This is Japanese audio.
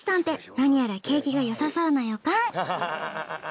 なにやら景気がよさそうな予感。